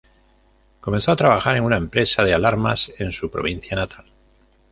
Comenzó a trabajar en una empresa de alarmas en su provincia natal.